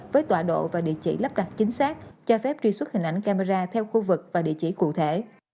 với tọa độ và địa chỉ lắp đặt chính xác cho phép truy xuất hình ảnh camera theo khu vực và địa chỉ cụ thể